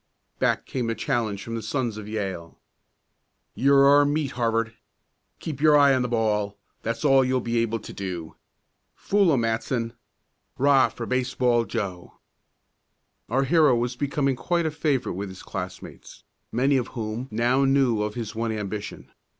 Back came the challenge from the sons of Yale. "You're our meat, Harvard! Keep your eye on the ball that's all you'll be able to do. Fool 'em, Matson. 'Rah for Baseball Joe!" Our hero was becoming quite a favorite with his classmates, many of whom now knew of his one ambition.